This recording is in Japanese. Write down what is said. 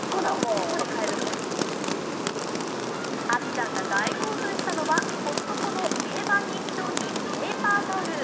ちゃんが大興奮したのはコストコの定番人気商品、ペーパータオル。